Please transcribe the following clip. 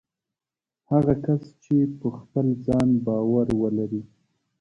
هغه کس چې په خپل ځان باور ولري